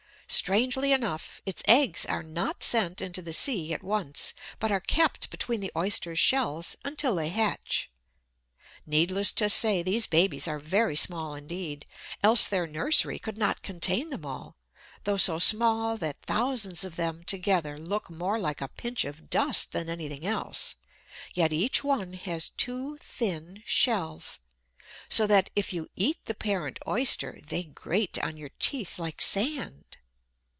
Strangely enough, its eggs are not sent into the sea at once, but are kept between the Oyster's shells until they hatch. Needless to say, these babies are very small indeed, else their nursery could not contain them all Though so small that thousands of them together look more like a pinch of dust than anything else, yet each one has two thin shells; so that, if you eat the parent Oyster, they grate on your teeth like sand.